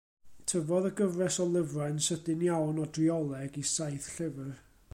Tyfodd y gyfres o lyfrau'n sydyn iawn o drioleg i saith llyfr.